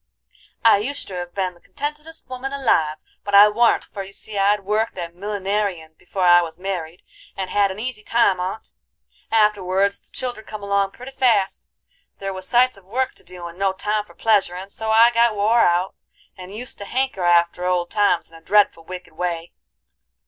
"I oushter hev been the contentedest woman alive, but I warn't, for you see I'd worked at millineryin' before I was married, and had an easy time on't, Afterwards the children come along pretty fast, there was sights of work to do, and no time for pleasuring so I got wore out, and used to hanker after old times in a dreadful wicked way.